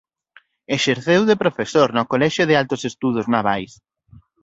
Exerceu de profesor no Colexio de Altos Estudos Navais.